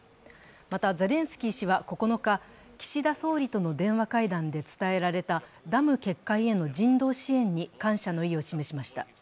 またゼレンスキー氏は９日、岸田総理との電話会談で伝えられたダム決壊への人道支援に感謝の意を示しました。